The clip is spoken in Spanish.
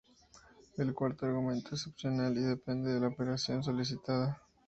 El cuarto argumento es opcional y depende de la operación solicitada.